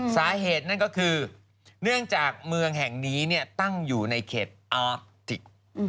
สาเหตุนั่นก็คือเนื่องจากเมืองแห่งนี้ตั้งอยู่ในเขตอัฟจิก